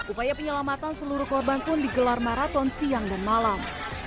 upaya penyelamatan seluruh korban pun digelar maraton siang dan malam